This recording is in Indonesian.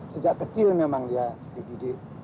sejak kecil memang dia dididik